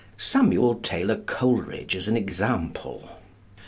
Samuel Taylor Coleridge is an example.